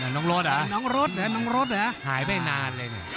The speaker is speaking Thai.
น้องรสเหรอหายไปนานเลย